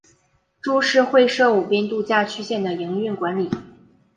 株式会社舞滨度假区线的营运管理。